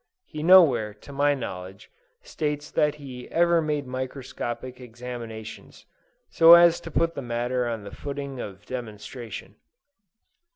He nowhere, to my knowledge, states that he ever made microscopic examinations, so as to put the matter on the footing of demonstration.